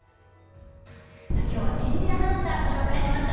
きょうは新人アナウンサーをご紹介しました。